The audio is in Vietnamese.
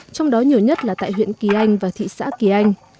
trong đó nhiều nhất là tại huyện kỳ anh và thị xã kỳ anh